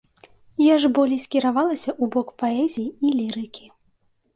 Я ж болей скіравалася ў бок паэзіі і лірыкі.